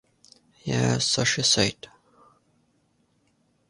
Yes, so she said.